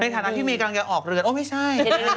ฐานะที่เมย์กำลังจะออกเรือนโอ้ไม่ใช่